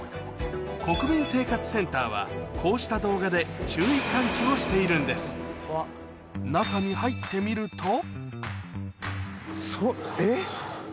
国民生活センターはこうした動画で注意喚起をしているんです中に入ってみるとすごい。